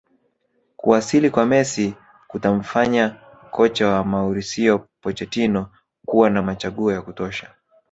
Kuwasili kwa Messi kutamfanya kocha wa Mauricio Pochettino kuwa na machaguo ya kutosha